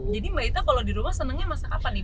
jadi mbak ita kalau di rumah senangnya masak apa nih